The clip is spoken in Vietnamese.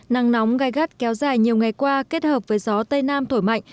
nắng nóng gai gắt kéo dài nhiều ngày qua kết hợp với gió tây nam thổi mạnh